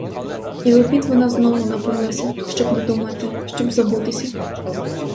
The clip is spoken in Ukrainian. І в обід вона знову напилася, щоб не думати, щоб забутися.